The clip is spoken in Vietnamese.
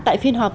tại phiên họp